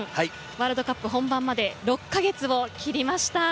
ワールドカップ本番まで６か月を切りました。